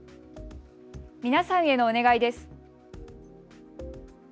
皆さんへのお願いです。